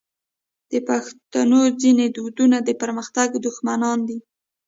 د پښتنو ځینې دودونه د پرمختګ دښمنان دي.